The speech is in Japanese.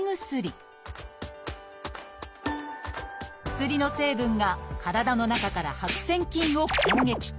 薬の成分が体の中から白癬菌を攻撃。